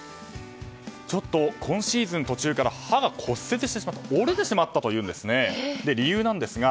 ちょっと、今シーズン途中から歯が骨折してしまった折れてしまったというんですね。